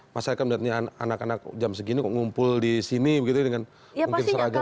misalnya kan anak anak jam segini kok ngumpul di sini begitu dengan mungkin seragawa itu